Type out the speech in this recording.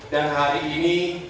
dan hari ini